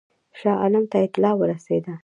شاه عالم ته اطلاع ورسېده.